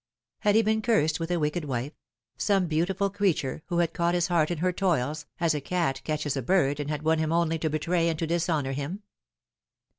Had he been cursed with a wicked wife ; some beautiful creature, who had caught his heart in her toils, as a cat catches a bird, and had won him only to betray and to dishonour him